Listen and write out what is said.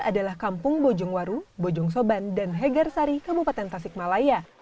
adalah kampung bojongwaru bojongsoban dan hegar sari kabupaten tasik malaya